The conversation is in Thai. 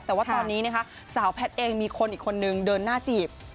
แต่ว่าตอนนี้นะคะสาวแพทย์เองมีคนอีกคนนึงเดินหน้าจีบ